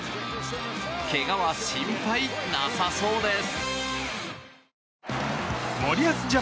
けがは心配なさそうです。